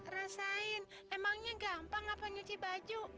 rasain emangnya gampang apa nyuci baju